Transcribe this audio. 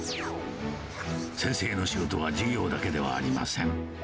先生の仕事は授業だけではありません。